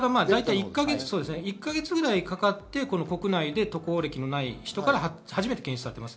１か月ぐらいかかって国内で渡航歴のない人から初めて検出されています。